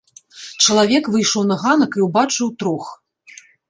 Чалавек выйшаў на ганак і ўбачыў трох.